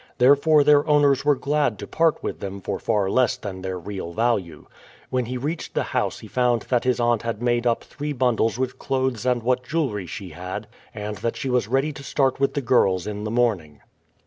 Therefore their owners were glad to part with them for far less than their real value. When he reached the house he found that his aunt had made up three bundles with clothes and what jewelry she had, and that she was ready to start with the girls in the morning.